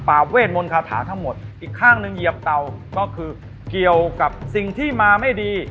เวทมนต์คาถาทั้งหมดอีกข้างหนึ่งเหยียบเต่าก็คือเกี่ยวกับสิ่งที่มาไม่ดี